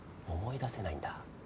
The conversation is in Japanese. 思い出せないんだ。